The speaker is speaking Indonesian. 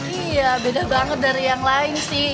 iya beda banget dari yang lain sih